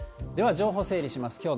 では情報整理します。